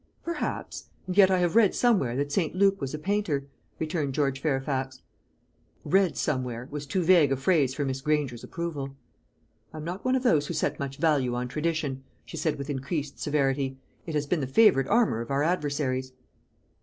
"Perhaps; and yet I have read somewhere that St. Luke was a painter," returned George Fairfax. "Read somewhere," was too vague a phrase for Miss Granger's approval. "I am not one of those who set much value on tradition," she said with increased severity. "It has been the favourite armour of our adversaries."